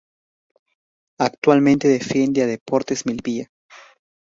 Actualmente defiende a Deportes Melipilla.